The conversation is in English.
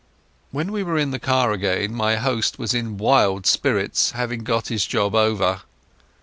When we were in the car again my host was in wild spirits at having got his job over.